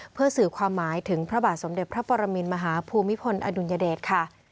เพื่อสื่อความหมายถึงพระบาทสมเด็จพระปรมินมหาภูมิพลอดุลยเดชค่ะ